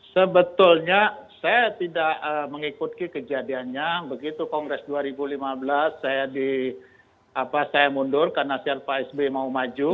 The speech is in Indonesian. sebetulnya saya tidak mengikuti kejadiannya begitu kongres dua ribu lima belas saya mundur karena siapa sby mau maju